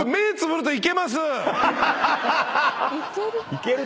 「いける」。